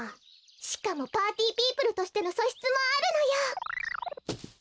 しかもパーティーピープルとしてのそしつもあるのよ。